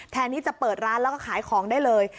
แทนที่จะเปิดร้านแล้วก็ขายของได้เลย